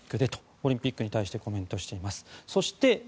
オリンピックに対してコメントしています。